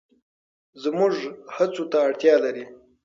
زموږ هڅو ته اړتیا لري.